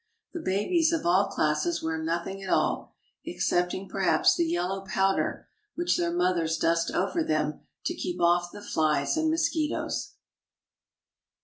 The babies of all classes wear nothing at all, excepting, perhaps, the yellow powder which their mothers dust over them to keep off the flies and mosquitoes.